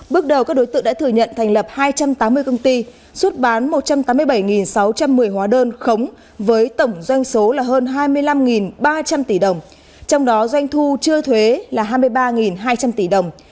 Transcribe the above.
bước đầu các đối tượng đã thừa nhận thành lập hai trăm tám mươi công ty xuất bán một trăm tám mươi bảy sáu trăm một mươi hóa đơn khống với tổng doanh số là hơn hai mươi năm ba trăm linh tỷ đồng trong đó doanh thu chưa thuế là hai mươi ba hai trăm linh tỷ đồng